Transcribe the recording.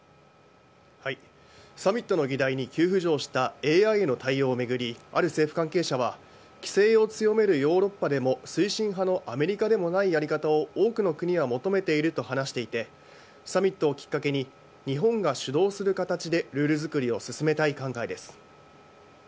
サミットの議題に急浮上したＡＩへの対応を巡り、ある政府関係者は、規制を強めるヨーロッパでも推進派のアメリカでもないやり方を多くの国が求めていると話していて、サミットをきっかけに日本が主導する形でルール作りを進めたい考えです。